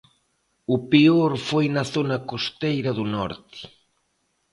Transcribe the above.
O peor foi na zona costeira do norte.